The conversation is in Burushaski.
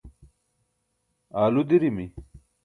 aalu dirimi